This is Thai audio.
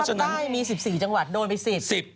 ภาพใต้มี๑๔จังหวัดโดนไป๑๐